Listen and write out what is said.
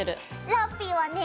ラッピィはね